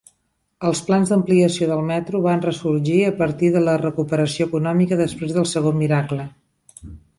Els plans d'ampliació del metro van ressorgir a partir de la recuperació econòmica després del segon miracle.